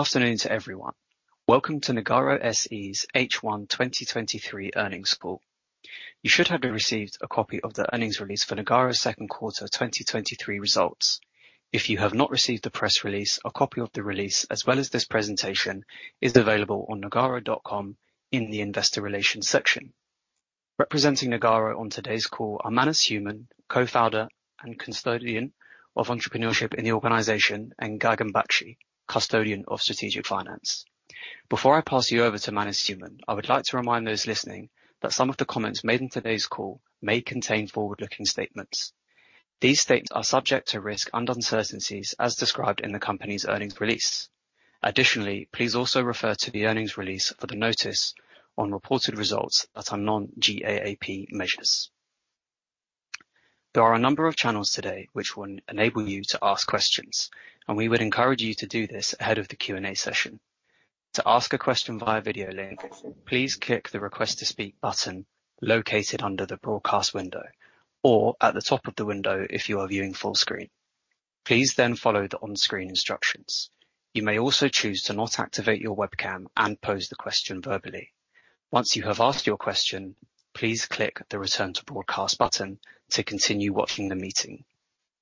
Good afternoon to everyone. Welcome to Nagarro SE's H12023 earnings call. You should have received a copy of the earnings release for Nagarro's second quarter 2023 results. If you have not received the press release, a copy of the release, as well as this presentation, is available on nagarro.com in the Investor Relations section. Representing Nagarro on today's call are Manas Human, Co-Founder and Custodian of Entrepreneurship in the organization, and Gagan Bakshi, Custodian of Strategic Finance. Before I pass you over to Manas Human, I would like to remind those listening that some of the comments made in today's call may contain forward-looking statements. These statements are subject to risks and uncertainties as described in the company's earnings release. Please also refer to the earnings release for the notice on reported results that are non-GAAP measures. There are a number of channels today which will enable you to ask questions, and we would encourage you to do this ahead of the Q&A session. To ask a question via video link, please click the Request to Speak button located under the broadcast window or at the top of the window if you are viewing full screen. Please follow the on-screen instructions. You may also choose to not activate your webcam and pose the question verbally. Once you have asked your question, please click the Return to Broadcast button to continue watching the meeting.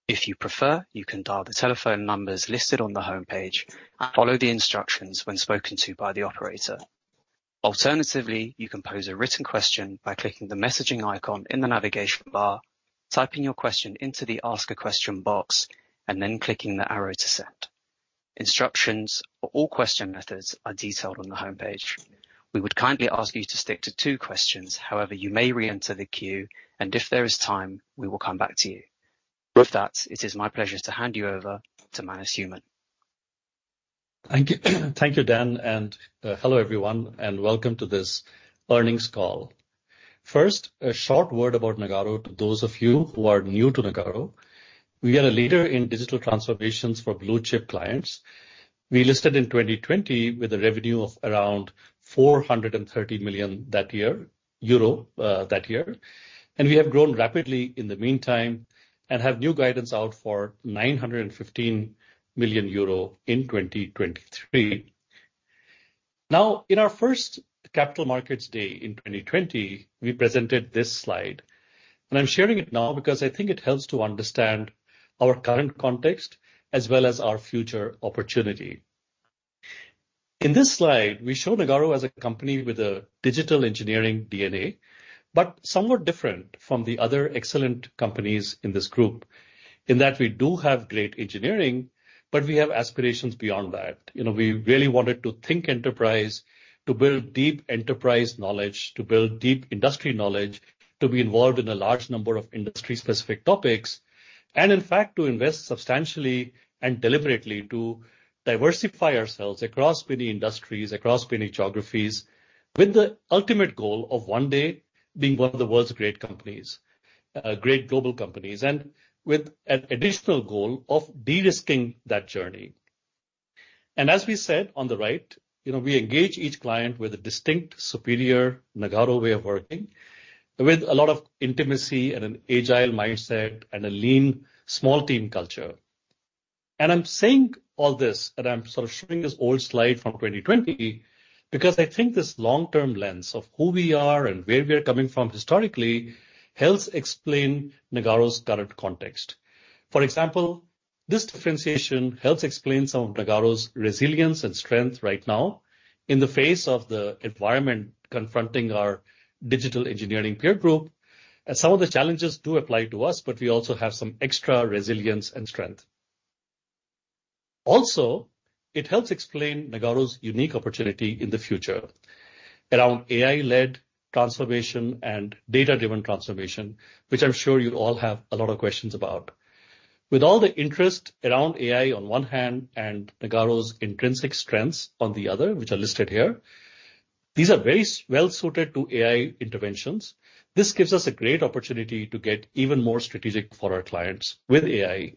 If you prefer, you can dial the telephone numbers listed on the homepage and follow the instructions when spoken to by the operator. Alternatively, you can pose a written question by clicking the messaging icon in the navigation bar, typing your question into the Ask-a-Question box, and then clicking the arrow to send. Instructions for all question methods are detailed on the homepage. We would kindly ask you to stick to two questions. However, you may re-enter the queue, and if there is time, we will come back to you. With that, it is my pleasure to hand you over to Manas Human. Thank you. Thank you, Dan. Hello, everyone, and welcome to this earnings call. First, a short word about Nagarro to those of you who are new to Nagarro. We are a leader in digital transformations for blue-chip clients. We listed in 2020 with a revenue of around 430 million that year, euro, that year. We have grown rapidly in the meantime and have new guidance out for 915 million euro in 2023. Now, in our first Capital Markets Day in 2020, we presented this slide. I'm sharing it now because I think it helps to understand our current context as well as our future opportunity. In this slide, we show Nagarro as a company with a digital engineering DNA, but somewhat different from the other excellent companies in this group, in that we do have great engineering, but we have aspirations beyond that. You know, we really wanted to think enterprise, to build deep enterprise knowledge, to build deep industry knowledge, to be involved in a large number of industry-specific topics. In fact, to invest substantially and deliberately to diversify ourselves across many industries, across many geographies, with the ultimate goal of one day being one of the world's great companies, great global companies, and with an additional goal of de-risking that journey. As we said on the right, you know, we engage each client with a distinct, superior Nagarro way of working, with a lot of intimacy and an agile mindset and a lean, small team culture. I'm saying all this, and I'm sort of showing this old slide from 2020, because I think this long-term lens of who we are and where we are coming from historically, helps explain Nagarro's current context. For example, this differentiation helps explain some of Nagarro's resilience and strength right now in the face of the environment confronting our digital engineering peer group. Some of the challenges do apply to us, but we also have some extra resilience and strength. It helps explain Nagarro's unique opportunity in the future around AI-led transformation and data-driven transformation, which I'm sure you all have a lot of questions about. With all the interest around AI on one hand, and Nagarro's intrinsic strengths on the other, which are listed here, these are very well-suited to AI interventions. This gives us a great opportunity to get even more strategic for our clients with AI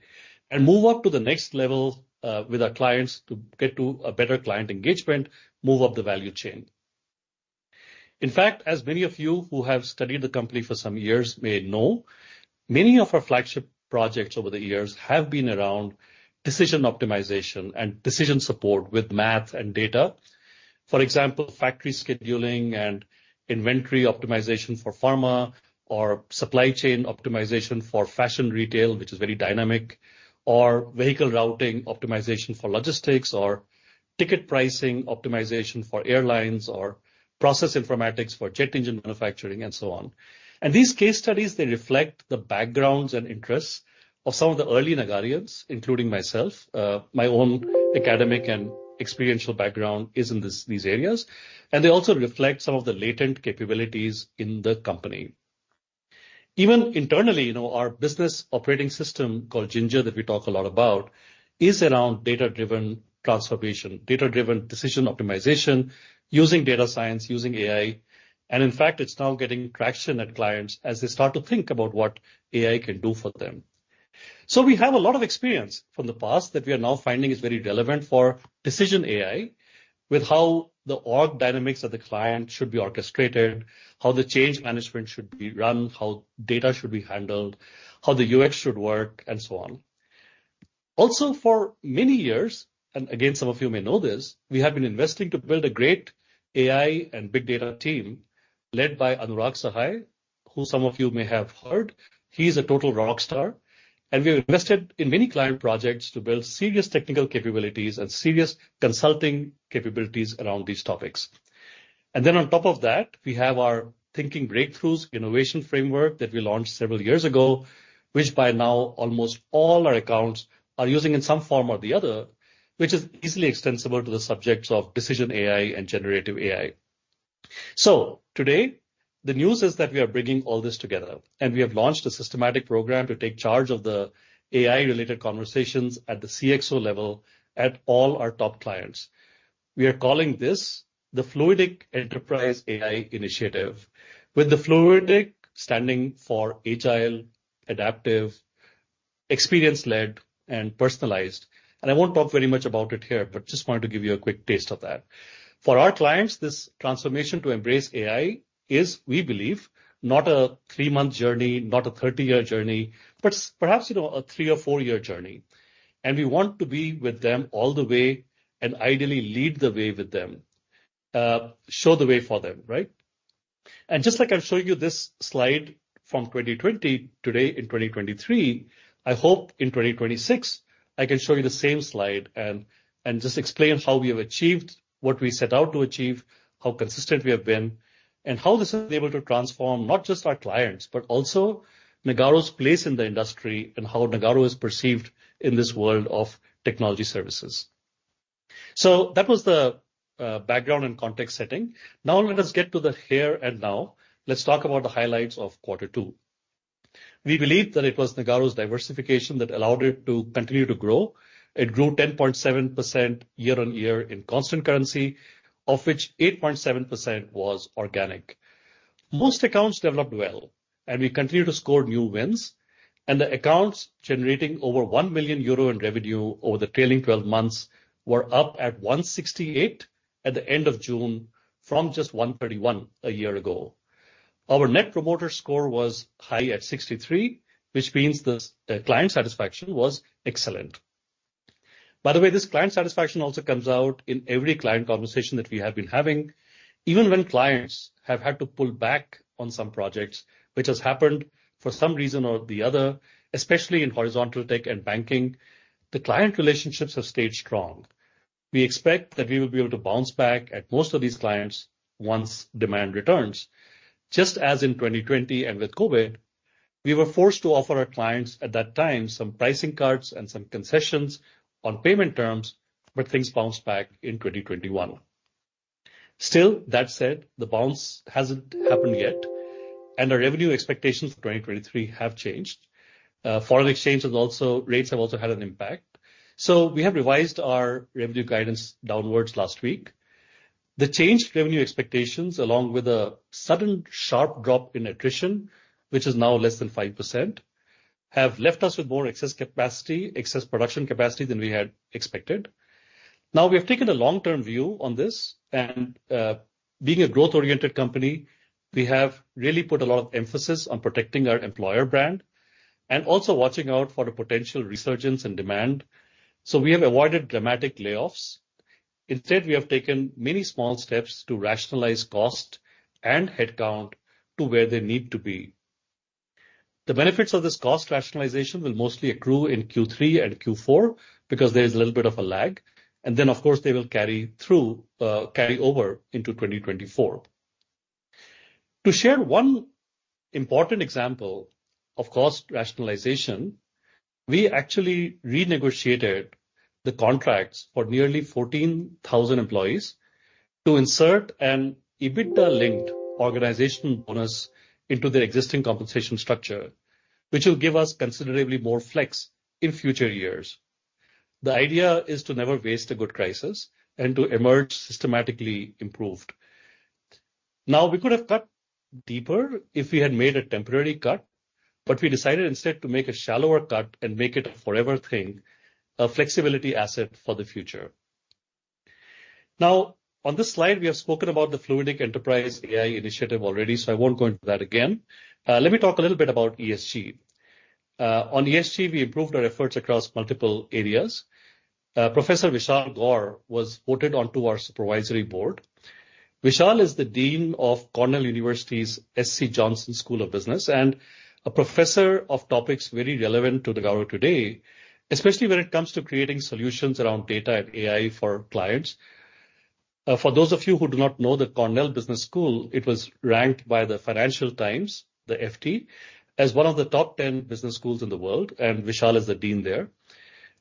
and move up to the next level with our clients to get to a better client engagement, move up the value chain. In fact, as many of you who have studied the company for some years may know, many of our flagship projects over the years have been around decision optimization and decision support with math and data. For example, factory scheduling and inventory optimization for pharma or supply chain optimization for fashion retail, which is very dynamic, or vehicle routing optimization for logistics, or ticket pricing optimization for airlines, or process informatics for jet engine manufacturing, and so on. These case studies, they reflect the backgrounds and interests of some of the early Nagarians, including myself. My own academic and experiential background is in this, these areas, and they also reflect some of the latent capabilities in the company. Even internally, you know, our business operating system, called Ginger, that we talk a lot about, is around data-driven transformation, data-driven decision optimization, using data science, using AI. In fact, it's now getting traction at clients as they start to think about what AI can do for them. We have a lot of experience from the past that we are now finding is very relevant for decision AI.... with how the org dynamics of the client should be orchestrated, how the change management should be run, how data should be handled, how the UX should work, and so on. Also, for many years, again, some of you may know this, we have been investing to build a great AI and big data team led by Anurag Sahay, who some of you may have heard. He's a total rock star. We have invested in many client projects to build serious technical capabilities and serious consulting capabilities around these topics. Then on top of that, we have our Thinking Breakthroughs innovation framework that we launched several years ago, which by now, almost all our accounts are using in some form or the other, which is easily extensible to the subjects of decision AI and generative AI. Today, the news is that we are bringing all this together, and we have launched a systematic program to take charge of the AI-related conversations at the CXO level at all our top clients. We are calling this the Fluidic Enterprise AI Initiative, with the Fluidic standing for agile, adaptive, experience-led, and personalized. I won't talk very much about it here, but just wanted to give you a quick taste of that. For our clients, this transformation to embrace AI is, we believe, not a three-month journey, not a 30-year journey, but perhaps, you know, a three or four-year journey. We want to be with them all the way and ideally lead the way with them, show the way for them, right? Just like I'm showing you this slide from 2020, today in 2023, I hope in 2026, I can show you the same slide and, and just explain how we have achieved what we set out to achieve, how consistent we have been, and how this is able to transform not just our clients, but also Nagarro's place in the industry and how Nagarro is perceived in this world of technology services. That was the background and context setting. Let us get to the here and now. Let's talk about the highlights of Q2. We believe that it was Nagarro's diversification that allowed it to continue to grow. It grew 10.7% year-on-year in constant currency, of which 8.7% was organic. Most accounts developed well, and we continued to score new wins, and the accounts generating over 1 million euro in revenue over the trailing 12 months were up at 168 at the end of June from just 131 a year ago. Our Net Promoter Score was high at 63, which means the client satisfaction was excellent. By the way, this client satisfaction also comes out in every client conversation that we have been having. Even when clients have had to pull back on some projects, which has happened for some reason or the other, especially in Horizontal Tech and banking, the client relationships have stayed strong. We expect that we will be able to bounce back at most of these clients once demand returns. Just as in 2020 and with COVID, we were forced to offer our clients at that time some pricing cuts and some concessions on payment terms. Things bounced back in 2021. Still, that said, the bounce hasn't happened yet. Our revenue expectations for 2023 have changed. Foreign exchange rates have also had an impact. We have revised our revenue guidance downwards last week. The changed revenue expectations, along with a sudden sharp drop in attrition, which is now less than 5%, have left us with more excess capacity, excess production capacity than we had expected. Now, we have taken a long-term view on this, and, being a growth-oriented company, we have really put a lot of emphasis on protecting our employer brand and also watching out for a potential resurgence in demand. We have avoided dramatic layoffs. Instead, we have taken many small steps to rationalize cost and headcount to where they need to be. The benefits of this cost rationalization will mostly accrue in Q3 and Q4 because there is a little bit of a lag, and then, of course, they will carry through, carry over into 2024. To share one important example of cost rationalization, we actually renegotiated the contracts for nearly 14,000 employees to insert an EBITDA-linked organizational bonus into their existing compensation structure, which will give us considerably more flex in future years. The idea is to never waste a good crisis and to emerge systematically improved. Now, we could have cut deeper if we had made a temporary cut, but we decided instead to make a shallower cut and make it a forever thing, a flexibility asset for the future. Now, on this slide, we have spoken about the Fluidic Enterprise AI Initiative already, so I won't go into that again. Let me talk a little bit about ESG. On ESG, we improved our efforts across multiple areas. Professor Vishal Gaur was voted onto our supervisory board. Vishal is the Dean of Cornell University's SC Johnson College of Business, and a professor of topics very relevant to Nagarro today, especially when it comes to creating solutions around data and AI for clients. For those of you who do not know the Cornell Business School, it was ranked by the Financial Times, the FT, as one of the top 10 business schools in the world, and Vishal is the dean there.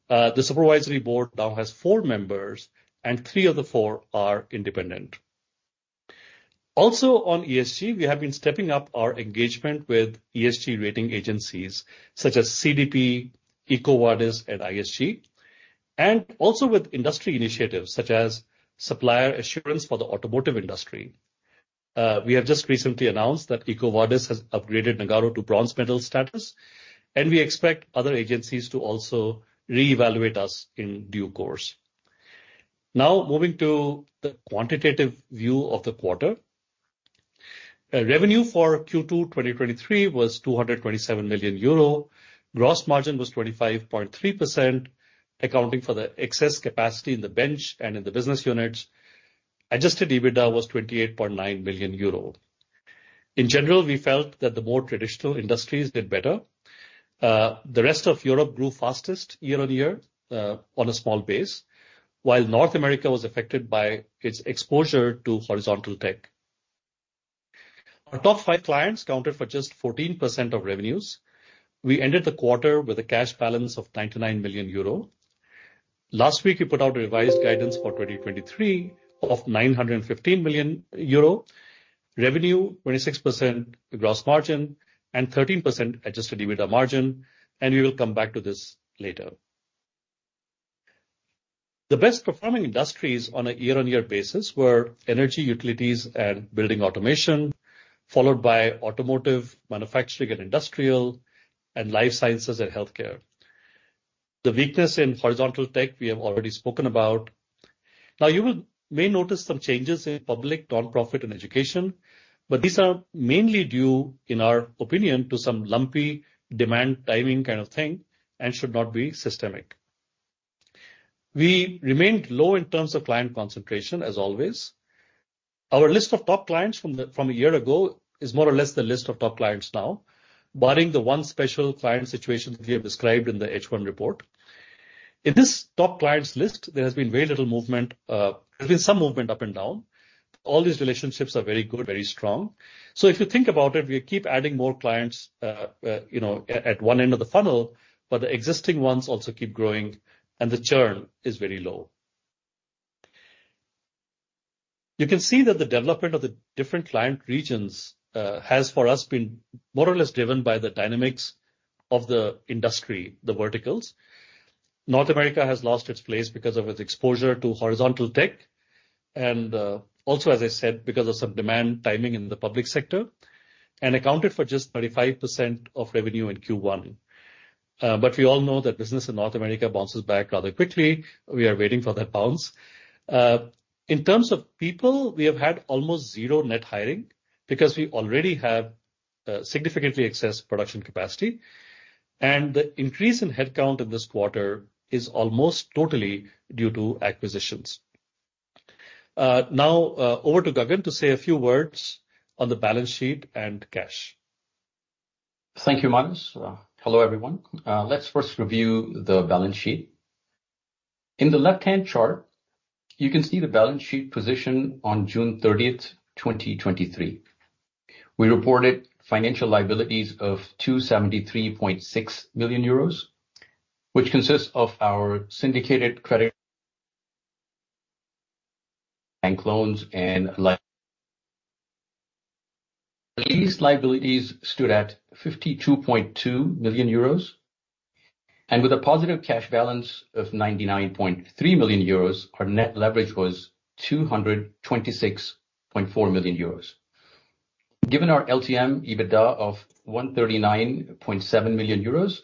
The supervisory board now has four members, and three of the four are independent. Also on ESG, we have been stepping up our engagement with ESG rating agencies such as CDP, EcoVadis, and ISS ESG, and also with industry initiatives such as Supplier Assurance for the Automotive Industry. We have just recently announced that EcoVadis has upgraded Nagarro to bronze medal status, and we expect other agencies to also reevaluate us in due course. Now, moving to the quantitative view of the quarter. Revenue for Q2 2023 was 227 million euro. Gross margin was 25.3%, accounting for the excess capacity in the bench and in the business units. Adjusted EBITDA was 28.9 million euro. In general, we felt that the more traditional industries did better. The rest of Europe grew fastest year-on-year on a small base, while North America was affected by its exposure to horizontal tech. Our top five clients accounted for just 14% of revenues. We ended the quarter with a cash balance of 99 million euro. Last week, we put out a revised guidance for 2023 of 915 million euro, revenue, 26% gross margin, and 13% Adjusted EBITDA margin, and we will come back to this later. The best performing industries on a year-on-year basis were energy, utilities, and building automation, followed by automotive, manufacturing and industrial, and life sciences and healthcare. The weakness in Horizontal Tech, we have already spoken about. You will may notice some changes in public, nonprofit, and education, but these are mainly due, in our opinion, to some lumpy demand timing kind of thing and should not be systemic. We remained low in terms of client concentration, as always. Our list of top clients from the, from a year ago is more or less the list of top clients now, barring the one special client situation we have described in the H1 report. In this top clients list, there has been very little movement. There's been some movement up and down. All these relationships are very good, very strong. So if you think about it, we keep adding more clients, you know, at, at one end of the funnel, but the existing ones also keep growing, and the churn is very low. You can see that the development of the different client regions has, for us, been more or less driven by the dynamics of the industry, the verticals. North America has lost its place because of its exposure to Horizontal Tech, also, as I said, because of some demand timing in the public sector, and accounted for just 35% of revenue in Q1. We all know that business in North America bounces back rather quickly. We are waiting for that bounce. In terms of people, we have had almost zero net hiring because we already have significantly excess production capacity, and the increase in headcount in this quarter is almost totally due to acquisitions. Over to Gagan to say a few words on the balance sheet and cash. Thank you, Manas. Hello, everyone. Let's first review the balance sheet. In the left-hand chart, you can see the balance sheet position on June 30, 2023. We reported financial liabilities of 273.6 million euros, which consists of our syndicated credit... These liabilities stood at 52.2 million euros, and with a positive cash balance of 99.3 million euros, our net leverage was 226.4 million euros. Given our LTM EBITDA of 139.7 million euros,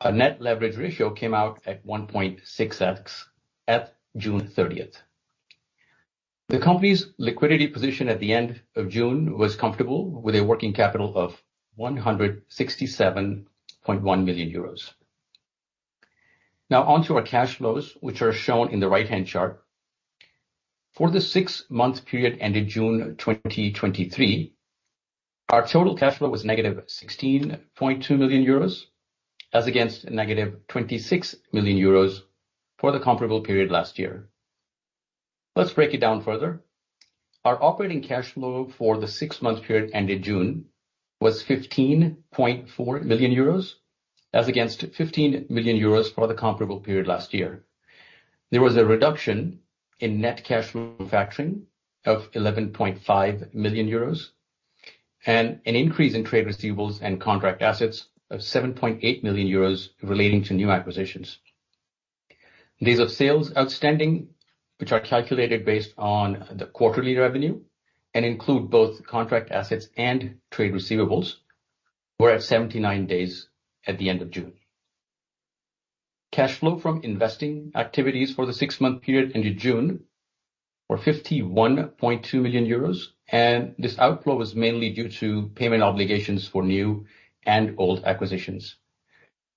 our net leverage ratio came out at 1.6x at June 30. The company's liquidity position at the end of June was comfortable, with a working capital of 167.1 million euros. Now, on to our cash flows, which are shown in the right-hand chart. For the six-month period ended June 2023, our total cash flow was negative 16.2 million euros, as against negative 26 million euros for the comparable period last year. Let's break it down further. Our operating cash flow for the six-month period ended June was 15.4 million euros, as against 15 million euros for the comparable period last year. There was a reduction in net cash manufacturing of 11.5 million euros, and an increase in trade receivables and contract assets of 7.8 million euros relating to new acquisitions. Days of sales outstanding, which are calculated based on the quarterly revenue and include both contract assets and trade receivables, were at 79 days at the end of June. Cash flow from investing activities for the six-month period into June, were 51.2 million euros, and this outflow was mainly due to payment obligations for new and old acquisitions.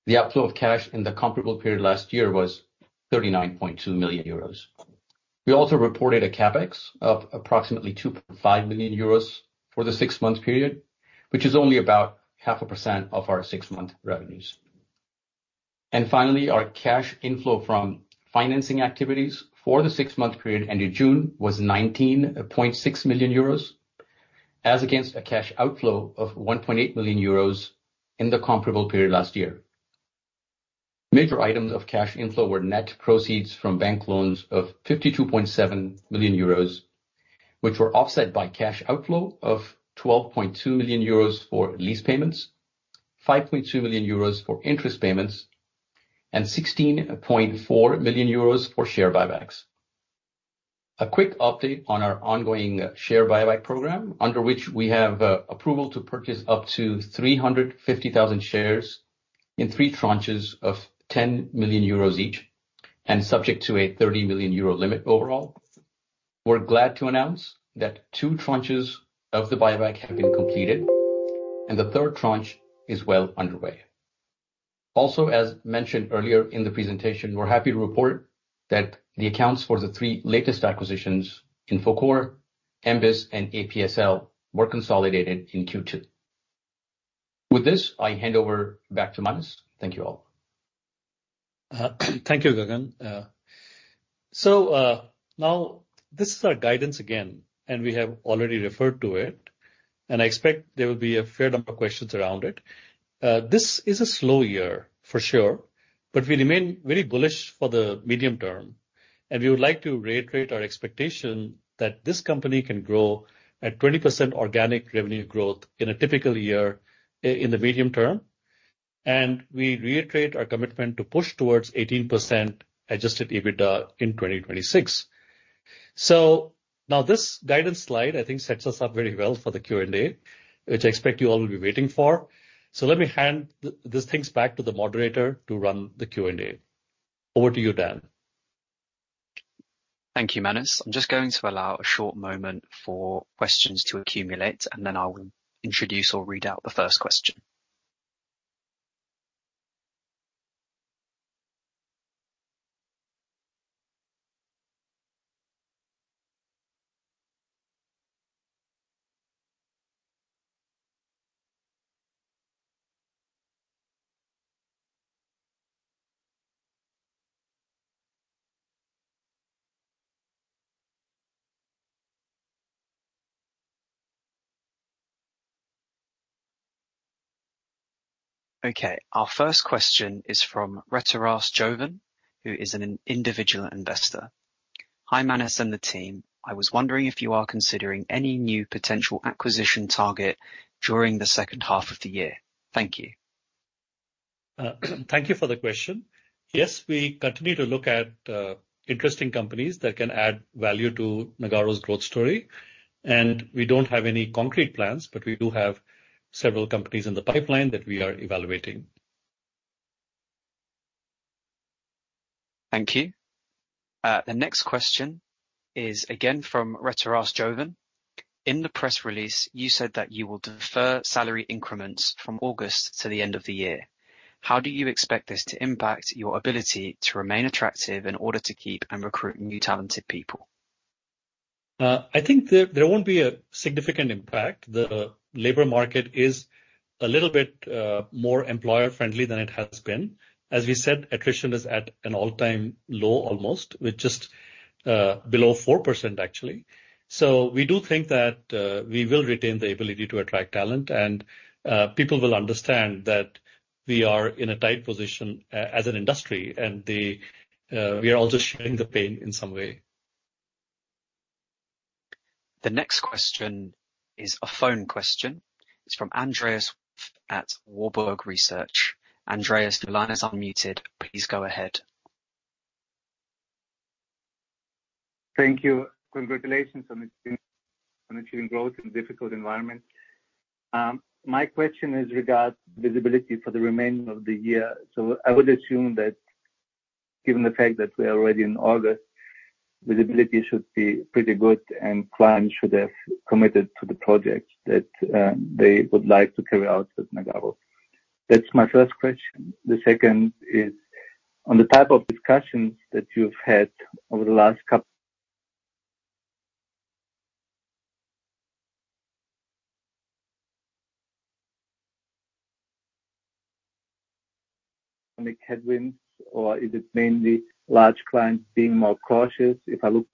The outflow of cash in the comparable period last year was 39.2 million euros. We also reported a CapEx of approximately 2.5 million euros for the six-month period, which is only about 0.5% of our six-month revenues. Finally, our cash inflow from financing activities for the six-month period ended June, was 19.6 million euros, as against a cash outflow of 1.8 million euros in the comparable period last year. Major items of cash inflow were net proceeds from bank loans of 52.7 million euros, which were offset by cash outflow of 12.2 million euros for lease payments, 5.2 million euros for interest payments, and 16.4 million euros for share buybacks. A quick update on our ongoing share buyback program, under which we have approval to purchase up to 350,000 shares in three tranches of 10 million euros each, and subject to a 30 million euro limit overall. We're glad to announce that two tranches of the buyback have been completed, and the third tranche is well underway. Also, as mentioned earlier in the presentation, we're happy to report that the accounts for the three latest acquisitions, Infocore, MBIS, and APSL, were consolidated in Q2. With this, I hand over back to Manas. Thank you, all. Thank you, Gagan. now, this is our guidance again, we have already referred to it, and I expect there will be a fair number of questions around it. this is a slow year, for sure, but we remain very bullish for the medium term, we would like to reiterate our expectation that this company can grow at 20% organic revenue growth in a typical year, in, in the medium term. we reiterate our commitment to push towards 18% Adjusted EBITDA in 2026. now, this guidance slide, I think, sets us up very well for the Q&A, which I expect you all will be waiting for. let me hand these things back to the moderator to run the Q&A. Over to you, Dan. Thank you, Manas. I'm just going to allow a short moment for questions to accumulate, then I will introduce or read out the first question. Okay, our first question is from Retaras Jovan, who is an individual investor: "Hi, Manas and the team. I was wondering if you are considering any new potential acquisition target during the second half of the year. Thank you. Thank you for the question. Yes, we continue to look at interesting companies that can add value to Nagarro's growth story, and we don't have any concrete plans, but we do have several companies in the pipeline that we are evaluating. Thank you. The next question is again from Retaras Jovan: "In the press release, you said that you will defer salary increments from August to the end of the year. How do you expect this to impact your ability to remain attractive in order to keep and recruit new talented people? I think there, there won't be a significant impact. The labor market is a little bit, more employer-friendly than it has been. As we said, attrition is at an all-time low, almost, with just, below 4%, actually. we do think that, we will retain the ability to attract talent and, people will understand that we are in a tight position as an industry, and they, we are all just sharing the pain in some way. The next question is a phone question. It's from Andreas at Warburg Research. Andreas, your line is unmuted. Please go ahead. Thank you. Congratulations on achieving, on achieving growth in difficult environment. my question is regards visibility for the remainder of the year. I would assume that given the fact that we are already in August, visibility should be pretty good, and clients should have committed to the projects that they would like to carry out with Nagarro. That's my first question. The second is on the type of discussions that you've had over the last... headwinds or is it mainly large clients being more cautious? If I look...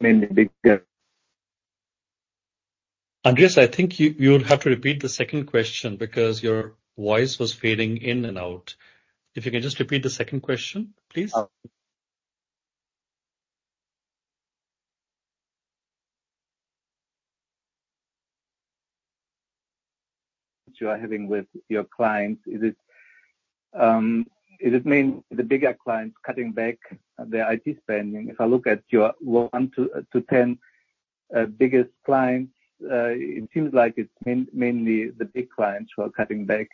Mainly bigger- Andreas, I think you'll have to repeat the second question because your voice was fading in and out. If you can just repeat the second question, please. Okay. That you are having with your clients. Is it, is it mainly the bigger clients cutting back their IT spending? If I look at your one to 10 biggest clients, it seems like it's mainly the big clients who are cutting back.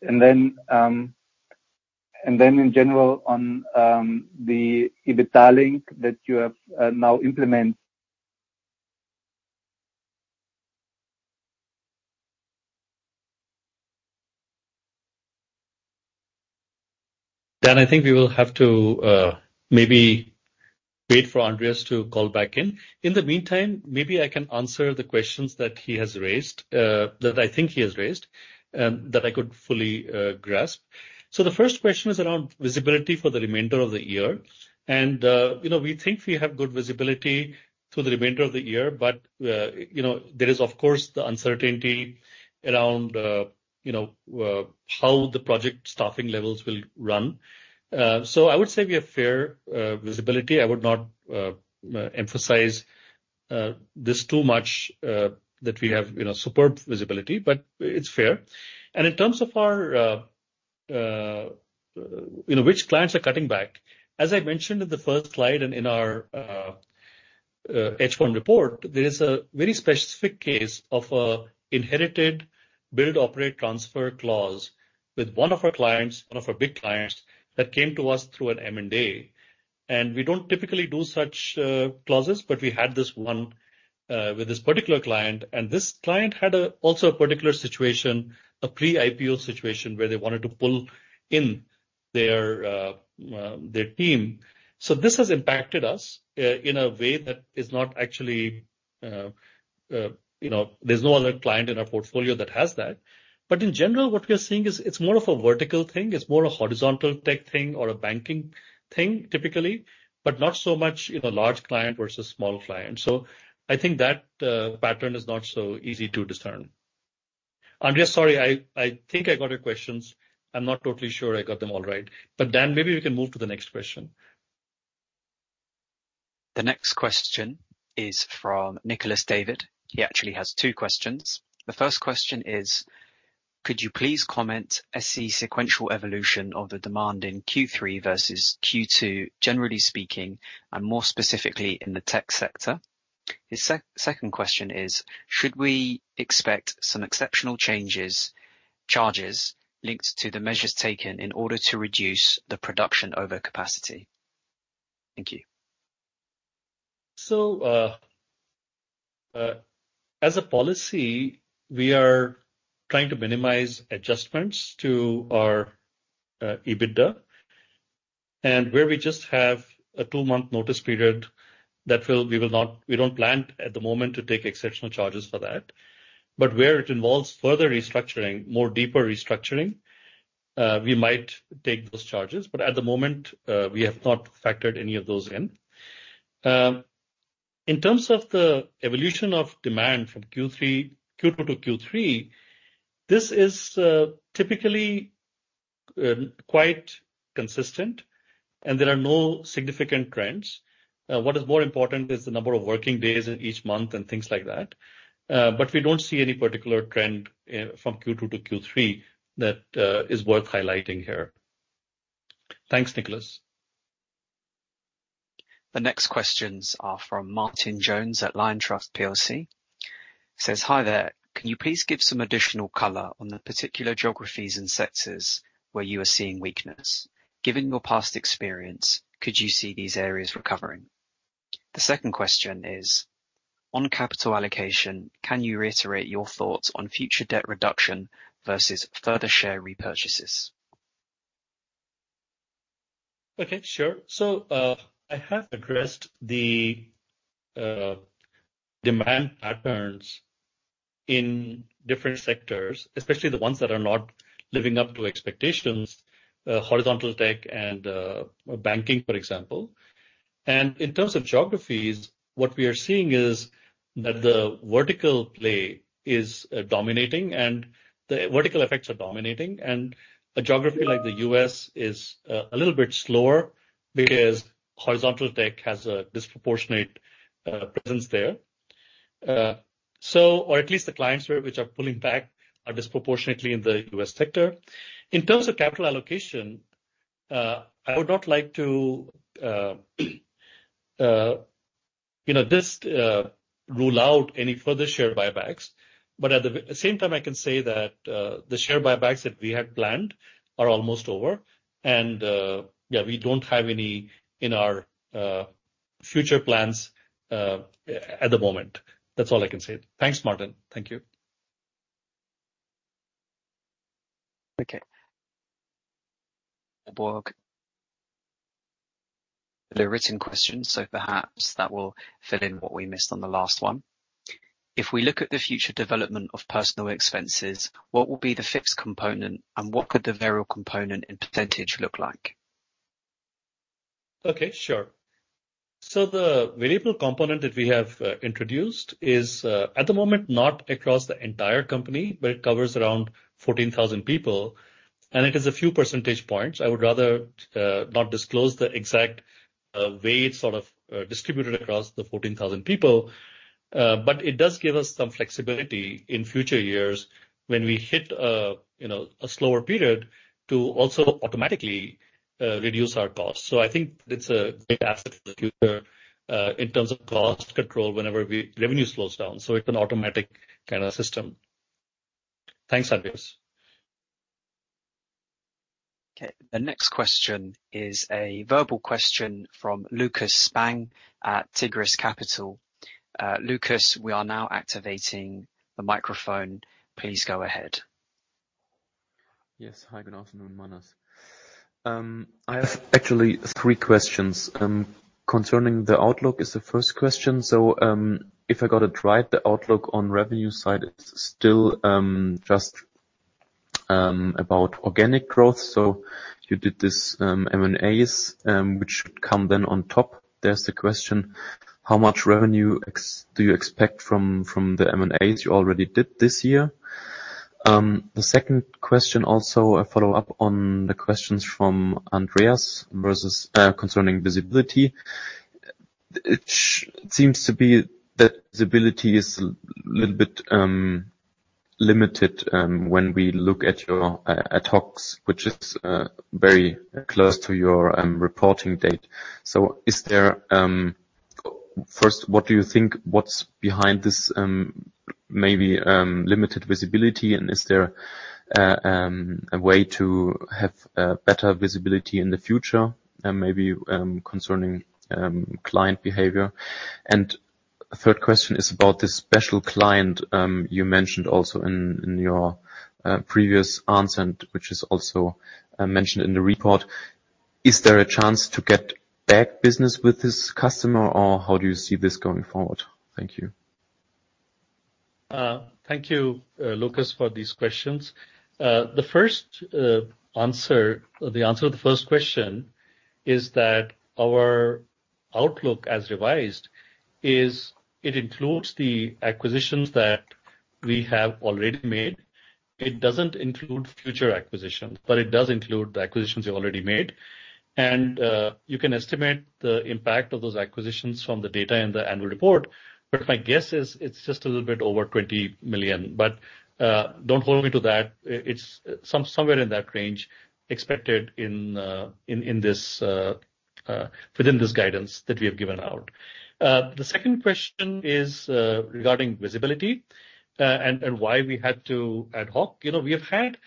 Then, and then in general, on the EBITDA link that you have now implement-. Dan, I think we will have to, maybe wait for Andreas to call back in. In the meantime, maybe I can answer the questions that he has raised, that I think he has raised, that I could fully grasp. The first question is around visibility for the remainder of the year, and, you know, we think we have good visibility through the remainder of the year, but, you know, there is, of course, the uncertainty around, you know, how the project staffing levels will run. I would say we have fair visibility. I would not emphasize this too much, that we have, you know, superb visibility, but it's fair. In terms of our-... you know, which clients are cutting back? As I mentioned in the first slide and in our H1 report, there is a very specific case of a inherited build, operate, transfer clause with one of our clients, one of our big clients, that came to us through an M&A. We don't typically do such clauses, but we had this one with this particular client. This client had a, also a particular situation, a pre-IPO situation, where they wanted to pull in their team. This has impacted us in a way that is not actually - you know, there's no other client in our portfolio that has that. In general, what we are seeing is it's more of a vertical thing. It's more a Horizontal Tech thing or a banking thing, typically, but not so much in a large client versus small client. I think that pattern is not so easy to discern. Andreas, sorry, I think I got your questions. I'm not totally sure I got them all right, but, Dan, maybe we can move to the next question. The next question is from Nicholas David. He actually has two questions. The first question is: Could you please comment on SE sequential evolution of the demand in Q3 versus Q2, generally speaking, and more specifically, in the tech sector? His second question is: Should we expect some exceptional changes, charges linked to the measures taken in order to reduce the production overcapacity? Thank you. As a policy, we are trying to minimize adjustments to our EBITDA. Where we just have a two-month notice period, we don't plan, at the moment, to take exceptional charges for that. Where it involves further restructuring, more deeper restructuring, we might take those charges. At the moment, we have not factored any of those in. In terms of the evolution of demand from Q3, Q2 to Q3, this is typically quite consistent, and there are no significant trends. What is more important is the number of working days in each month and things like that. We don't see any particular trend from Q2 to Q3 that is worth highlighting here. Thanks, Nicholas. The next questions are from Martin Jones at Liontrust PLC. Says: Hi there. Can you please give some additional color on the particular geographies and sectors where you are seeing weakness? Given your past experience, could you see these areas recovering? The second question is: On capital allocation, can you reiterate your thoughts on future debt reduction versus further share repurchases? Okay, sure. I have addressed the demand patterns in different sectors, especially the ones that are not living up to expectations, Horizontal Tech and banking, for example. In terms of geographies, what we are seeing is that the vertical play is dominating, and the vertical effects are dominating. A geography like the U.S. is a little bit slower because Horizontal Tech has a disproportionate presence there. So or at least the clients which are pulling back are disproportionately in the U.S. sector. In terms of capital allocation, I would not like to, you know, just rule out any further share buybacks. At the same time, I can say that the share buybacks that we had planned are almost over. Yeah, we don't have any in our future plans at the moment. That's all I can say. Thanks, Martin. Thank you. Okay. Borg, the written question. Perhaps that will fill in what we missed on the last one. If we look at the future development of personal expenses, what will be the fixed component, and what could the variable component in percentage look like? Okay, sure. The variable component that we have introduced is at the moment, not across the entire company, but it covers around 14,000 people, and it is a few percentage points. I would rather not disclose the exact way it's sort of distributed across the 14,000 people. But it does give us some flexibility in future years when we hit a, you know, a slower period, to also automatically reduce our costs. I think it's a great asset for the future, in terms of cost control whenever we... revenue slows down, so it's an automatic kind of system. Thanks, Andreas. Okay, the next question is a verbal question from Lukas Spang at Tigris Capital. Lukas, we are now activating the microphone. Please go ahead. Yes. Hi, good afternoon, Manas. I have actually three questions. Concerning the outlook is the first question. If I got it right, the outlook on revenue side is still just about organic growth. You did this M and As, which come then on top. There's the question: How much revenue do you expect from the M and As you already did this year? The second question, also a follow-up on the questions from Andreas versus, concerning visibility. It seems to be that the ability is a little bit limited when we look at your ad hocs, which is very close to your reporting date. First, what do you think what's behind this maybe limited visibility? Is there a way to have better visibility in the future, and maybe concerning client behavior? Third question is about this special client, you mentioned also in, in your previous answer, and which is also mentioned in the report. Is there a chance to get back business with this customer, or how do you see this going forward? Thank you. Thank you, Lucas, for these questions. The first answer, or the answer to the first question is that our outlook as revised is it includes the acquisitions that we have already made. It doesn't include future acquisitions, but it does include the acquisitions we already made. You can estimate the impact of those acquisitions from the data in the annual report, but my guess is it's just a little bit over 20 million. Don't hold me to that. It's somewhere in that range, expected in this, within this guidance that we have given out. The second question is regarding visibility, and why we had to ad hoc. You know, we have had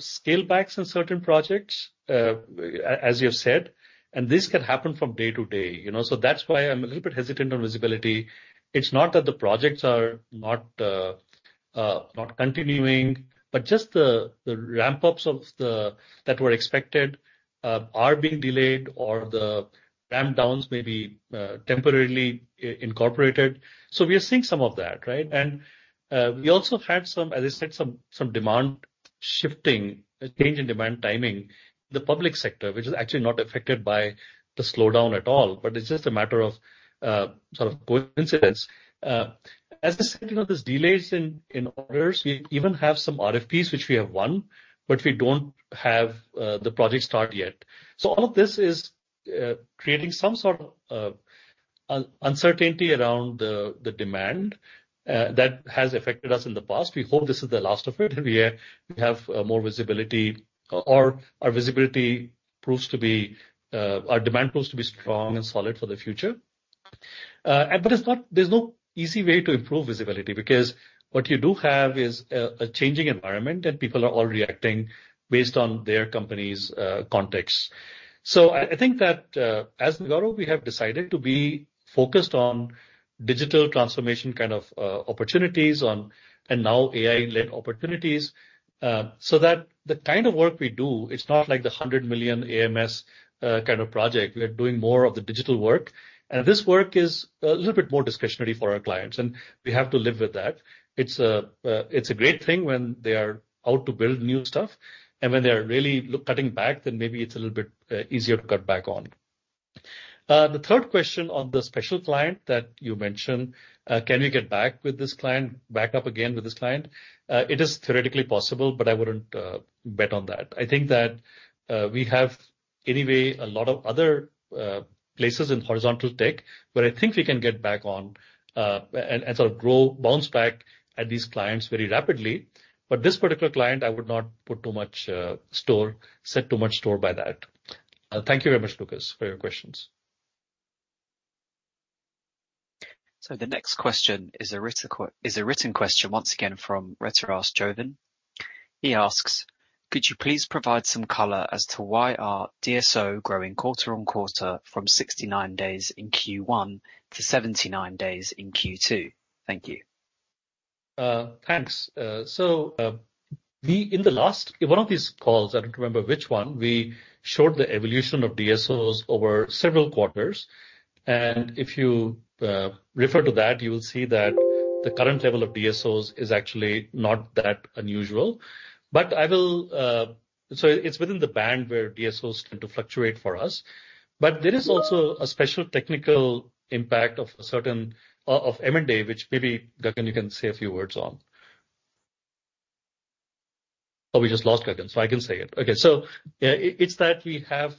scale backs in certain projects, as you have said, and this can happen from day to day, you know? That's why I'm a little bit hesitant on visibility. It's not that the projects are not, not continuing, but just the ramp-ups of the that were expected, are being delayed or the ramp downs may be temporarily incorporated. We are seeing some of that, right? We also had some, as I said, some, some demand shifting, a change in demand timing. The public sector, which is actually not affected by the slowdown at all, but it's just a matter of sort of coincidence. As I said, you know, these delays in, in orders, we even have some RFPs, which we have won, but we don't have the project start yet. All of this is creating some sort of uncertainty around the demand that has affected us in the past. We hope this is the last of it. We are- we have more visibility, or our visibility proves to be, our demand proves to be strong and solid for the future. It's not. There's no easy way to improve visibility, because what you do have is a changing environment, and people are all reacting based on their company's context. I, I think that, as Nagarro, we have decided to be focused on digital transformation kind of opportunities on, and now AI-led opportunities. That the kind of work we do, it's not like the 100 million AMS kind of project. We're doing more of the digital work, and this work is a little bit more discretionary for our clients, and we have to live with that. It's a, it's a great thing when they are out to build new stuff, when they are really cutting back, then maybe it's a little bit easier to cut back on. The third question on the special client that you mentioned, can we get back with this client, back up again with this client? It is theoretically possible, but I wouldn't bet on that. I think that we have, anyway, a lot of other places in Horizontal Tech, where I think we can get back on, and, and sort of grow, bounce back at these clients very rapidly. This particular client, I would not put too much store, set too much store by that. Thank you very much, Lukas, for your questions. The next question is a written question, once again, from Retaras Jovin. He asks: "Could you please provide some color as to why are DSO growing quarter-on-quarter from 69 days in Q1 to 79 days in Q2? Thank you. Thanks. In the last, one of these calls, I don't remember which one, we showed the evolution of DSOs over several quarters. If you refer to that, you will see that the current level of DSOs is actually not that unusual. I will. It's within the band where DSOs tend to fluctuate for us. There is also a special technical impact of a certain of M&A, which maybe, Gagan, you can say a few words on. We just lost Gagan, I can say it. Okay. It, it's that we have,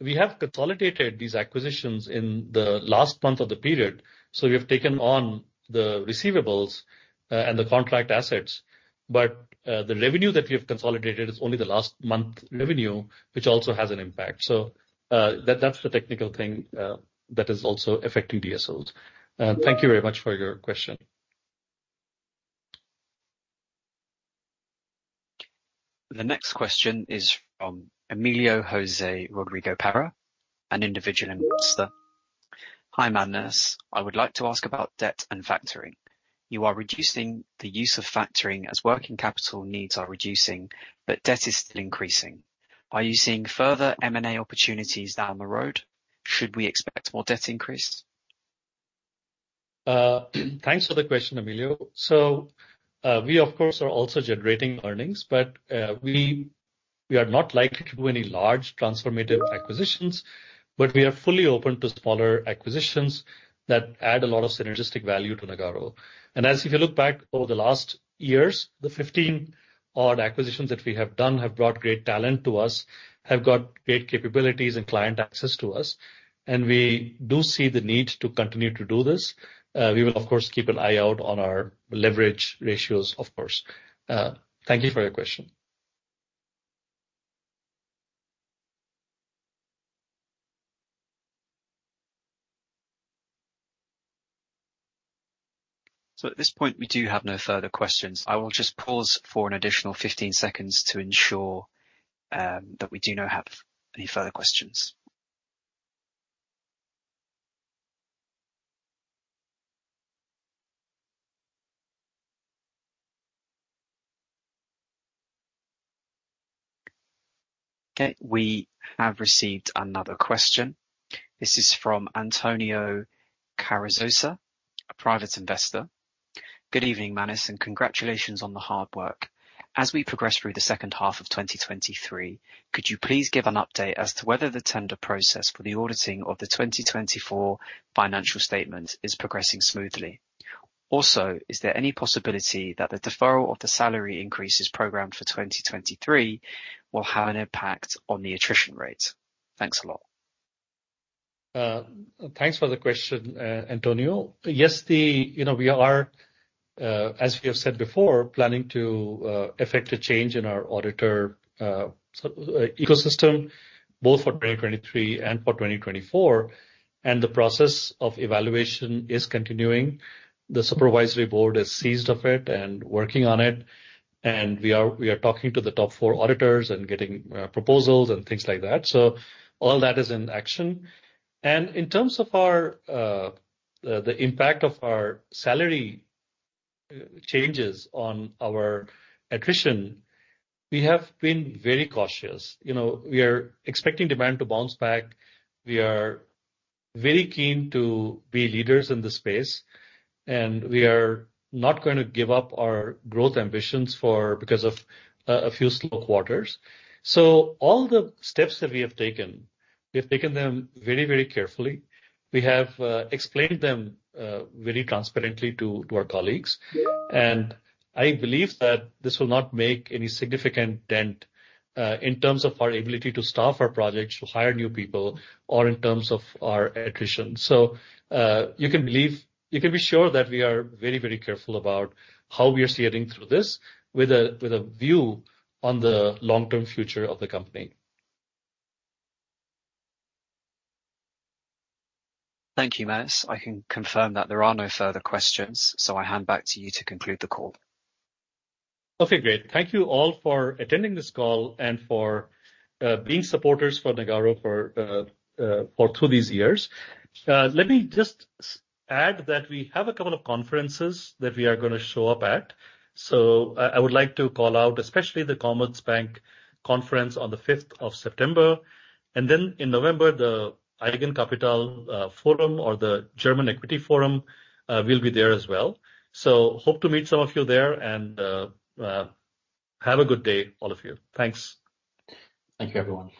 we have consolidated these acquisitions in the last month of the period, we have taken on the receivables and the contract assets. The revenue that we have consolidated is only the last month revenue, which also has an impact. That, that's the technical thing, that is also affecting DSOs. Thank you very much for your question. The next question is from Emilio Jose Rodrigo Parra, an individual investor. "Hi, Manas. I would like to ask about debt and factoring. You are reducing the use of factoring as working capital needs are reducing, but debt is still increasing. Are you seeing further M&A opportunities down the road? Should we expect more debt increase? Thanks for the question, Emilio. We, of course, are also generating earnings, but we are not likely to do any large transformative acquisitions, but we are fully open to smaller acquisitions that add a lot of synergistic value to Nagarro. As if you look back over the last years, the 15 odd acquisitions that we have done have brought great talent to us, have got great capabilities and client access to us, and we do see the need to continue to do this. We will, of course, keep an eye out on our leverage ratios, of course. Thank you for your question. At this point, we do have no further questions. I will just pause for an additional 15 seconds to ensure that we do not have any further questions. Okay, we have received another question. This is from Antonio Carazo, a private investor. Good evening, Manas, and congratulations on the hard work. As we progress through the second half of 2023, could you please give an update as to whether the tender process for the auditing of the 2024 financial statement is progressing smoothly? Is there any possibility that the deferral of the salary increases programmed for 2023 will have an impact on the attrition rate? Thanks a lot. Thanks for the question, Antonio. Yes, you know, we are, as we have said before, planning to effect a change in our auditor ecosystem, both for 2023 and for 2024, and the process of evaluation is continuing. The supervisory board is seized of it and working on it, and we are, we are talking to the top four auditors and getting proposals and things like that. All that is in action. In terms of our, the impact of our salary changes on our attrition, we have been very cautious. You know, we are expecting demand to bounce back. We are very keen to be leaders in this space, and we are not going to give up our growth ambitions because of a few slow quarters. All the steps that we have taken, we have taken them very, very carefully. We have explained them very transparently to our colleagues. I believe that this will not make any significant dent in terms of our ability to staff our projects, to hire new people, or in terms of our attrition. You can be sure that we are very, very careful about how we are steering through this with a view on the long-term future of the company. Thank you, Manas. I can confirm that there are no further questions, I hand back to you to conclude the call. Okay, great. Thank you all for attending this call and for, being supporters for Nagarro for, for through these years. Let me just add that we have a couple of conferences that we are gonna show up at. I, I would like to call out, especially the Commerzbank conference on the 5th of September, and then in November, the Eigenkapitalforum, Forum or the German Equity Forum, we'll be there as well. Hope to meet some of you there, and, have a good day, all of you. Thanks. Thank you, everyone.